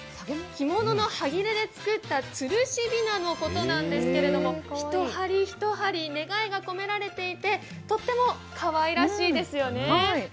着物の端切れでつくったつるしびなのことなんですが１針１針願いが込められていて、とってもかわいらしいですよね。